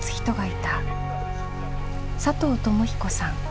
佐藤友彦さん